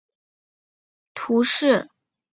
奥班人口变化图示